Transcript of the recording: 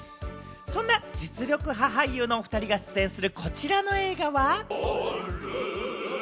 そんな実力派俳優のお２人が出演するこちらの映画は。